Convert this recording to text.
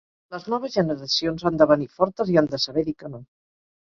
Les noves generacions han de venir fortes, i han de saber dir que no.